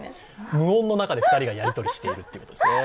無音の中で２人がやりとりしているっていうことですね。